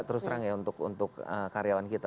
terus terang ya untuk karyawan kita